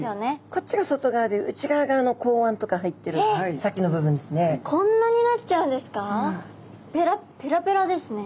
こっちが外側で内側が口腕とか入ってるさっきの部分ですね。